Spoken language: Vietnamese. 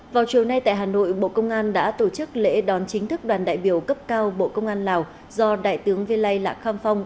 vào chiều nay tại hà nội bộ công an đã tổ chức lễ đón chính thức đoàn đại biểu cấp cao bộ công an lào do đại tướng viên lai lạc kham phong